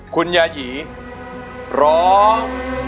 คุณยายีร้อง